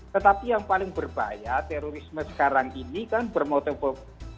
tetapi yang paling berbahaya terorisme sekarang ini kan bermotif